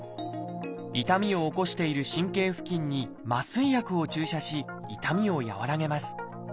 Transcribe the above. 痛みを起こしている神経付近に麻酔薬を注射し痛みを和らげます。